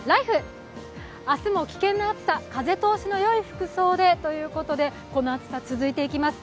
明日も危険な暑さ、風通しの良い服装でということでこの暑さ、続いていきます。